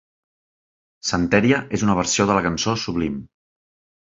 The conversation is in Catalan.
"Santeria" és una versió de la cançó Sublime.